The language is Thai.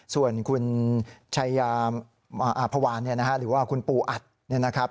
ส่วนคุณชายาภาวานหรือว่าคุณปูอัดเนี่ยนะครับ